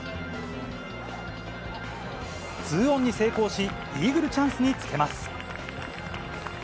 ツーオンに成功し、イーグルチャンスにつけます。